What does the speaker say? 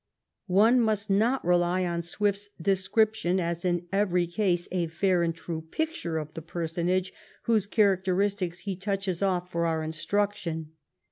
One must not rely on Swift's descrip tion as in every case a fair and true picture of the personage whose characteristics he touches off for our instruction.